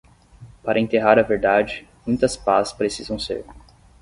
Para enterrar a verdade, muitas pás precisam ser.